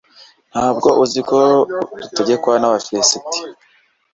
nta bwo uzi ko dutegekwa n'abafilisiti